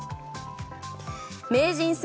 名人戦